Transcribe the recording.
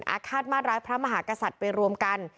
ฆาตมาตร้ายพระมหากษัตริย์ไปรวมกัน